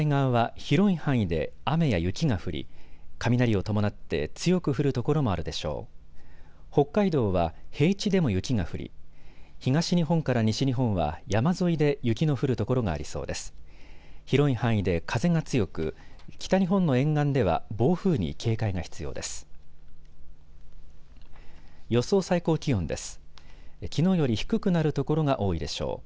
広い範囲で風が強く北日本の沿岸では暴風に警戒が必要です。